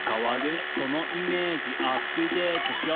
「そのイメージアップデートしよう」